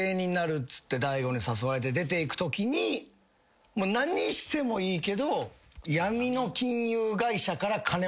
っつって大悟に誘われて出ていくときに何してもいいけど。